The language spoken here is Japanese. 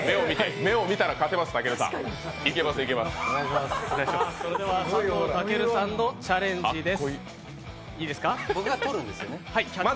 目を見たら勝てます、健さん佐藤健さんのチャレンジです。